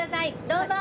どうぞ。